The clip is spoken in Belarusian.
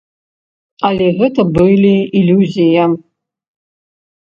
Але гэта былі ілюзія.